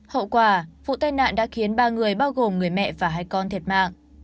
hậu quả vụ tai nạn đã khiến ba người bao gồm người mẹ và hai con thiệt mạng